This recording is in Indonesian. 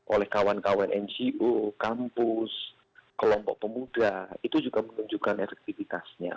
oleh kawan kawan ngo kampus kelompok pemuda itu juga menunjukkan efektivitasnya